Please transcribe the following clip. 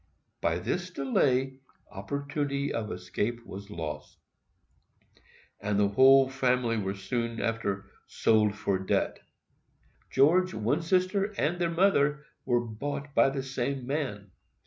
By this delay opportunity of escape was lost, and the whole family were soon after sold for debt. George, one sister, and their mother, were bought by the same man.